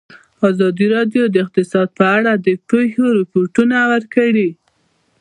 ازادي راډیو د اقتصاد په اړه د پېښو رپوټونه ورکړي.